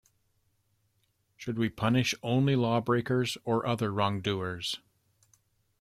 Should we punish only lawbreakers, or other wrongdoers?